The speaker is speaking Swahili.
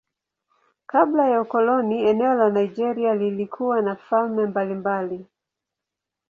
Kabla ya ukoloni eneo la Nigeria lilikuwa na falme mbalimbali.